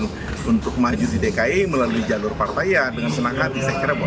untuk maju di dki melalui jalur partai ya dengan senang hati saya kira